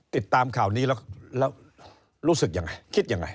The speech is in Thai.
ติดตามข่าวนี้แล้วรู้สึกยังไงคิดยังไง